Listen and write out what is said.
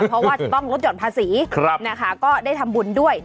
เพราะว่าก็ลดหย่อนภาษีครับนะคะก็ได้ทำบุญด้วย